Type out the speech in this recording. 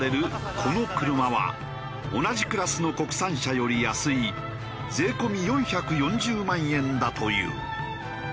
この車は同じクラスの国産車より安い税込み４４０万円だという。